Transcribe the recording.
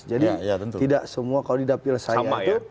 jadi tidak semua kalau di dapil saya itu